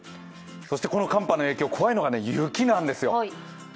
この寒波の影響、怖いのが雪なんですよ。